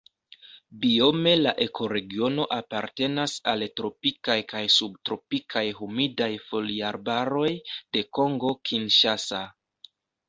Biome la ekoregiono apartenas al tropikaj kaj subtropikaj humidaj foliarbaroj de Kongo Kinŝasa.